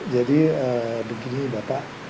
jadi begini bapak